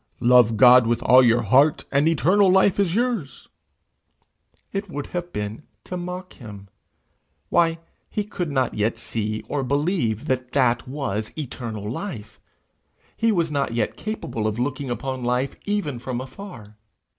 'Love God with all your heart, and eternal life is yours:' it would have been to mock him. Why, he could not yet see or believe that that was eternal life! He was not yet capable of looking upon life even from afar!